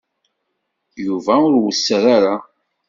Yuba ur wesser ara.